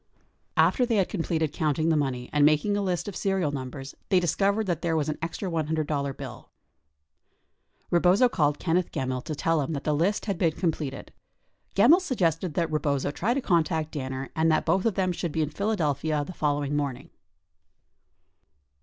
62 After they had completed counting the money and making a list of serial numbers, they discovered that there was an extra $100 bill. Rebozo called Kenneth Gemmill to tell him that the list had been completed. Gemmill suggested that Rebozo try to contact Danner and that both of them should be in Philadelphia the following morning.